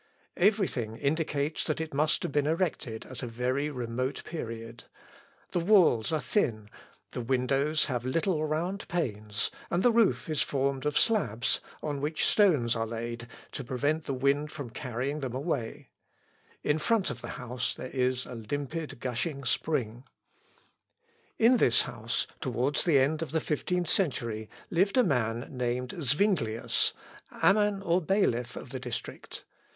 Everything indicates that it must have been erected at a very remote period. The walls are thin. The windows have little round panes, and the roof is formed of slabs, on which stones are laid to prevent the wind from carrying them away. In front of the house there is a limpid gushing spring. Schuler's Zwinglis Bildungs Gesch. p. 290. [Sidenote: A PASTORAL FAMILY.] In this house, towards the end of the fifteenth century, lived a man named Zuinglius, amman or bailiff of the district.